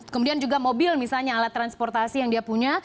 kemudian juga mobil misalnya alat transportasi yang dia punya